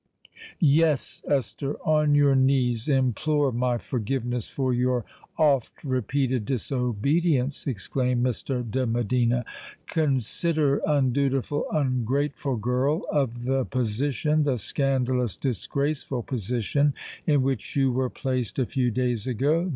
"Yes—Esther—on your knees implore my forgiveness for your oft repeated disobedience!" exclaimed Mr. de Medina. "Consider, undutiful—ungrateful girl—of the position—the scandalous, disgraceful position in which you were placed a few days ago.